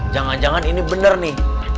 jangan jangan ini benar nih